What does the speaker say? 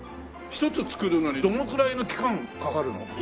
１つ作るのにどのくらいの期間かかるの？